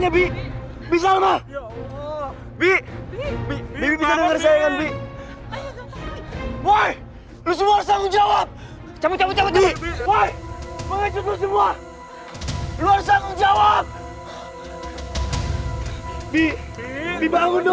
bi bangun dong bi